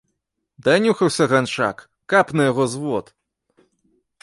Данюхаўся ганчак, каб на яго звод!